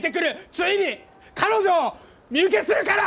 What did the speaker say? ついに彼女を身請けするから！